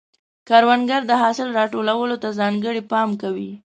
کروندګر د حاصل راټولولو ته ځانګړی پام کوي